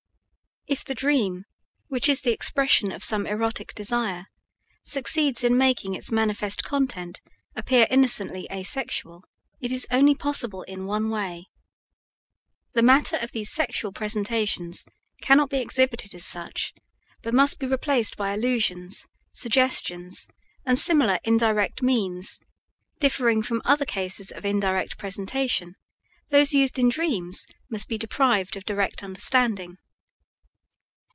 If the dream, which is the expression of some erotic desire, succeeds in making its manifest content appear innocently asexual, it is only possible in one way. The matter of these sexual presentations cannot be exhibited as such, but must be replaced by allusions, suggestions, and similar indirect means; differing from other cases of indirect presentation, those used in dreams must be deprived of direct understanding.